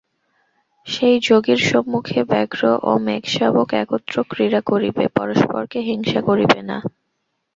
সেই যোগীর সম্মুখে ব্যাঘ্র ও মেঘ-শাবক একত্র ক্রীড়া করিবে, পরস্পরকে হিংসা করিবে না।